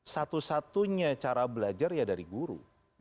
satu satunya cara belajar ya dari guru